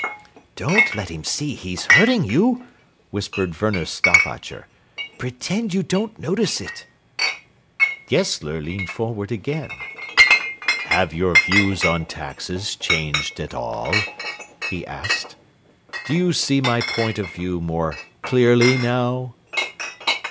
"Don't let him see he's hurting you," whispered Werner Stauffacher. "Pretend you don't notice it." Gessler leaned forward again. "Have your views on taxes changed at all?" he asked. "Do you see my point of view more clearly now?"